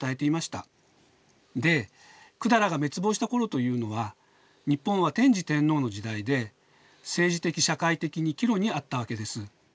で百済が滅亡した頃というのは日本は天智天皇の時代で政治的社会的に岐路にあったわけです。